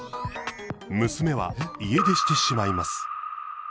娘は家出してしまいます。